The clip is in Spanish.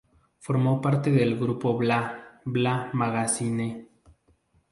Formó parte del grupo Bla, Bla, Magazine.